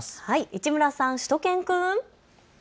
市村さん、しゅと犬くん。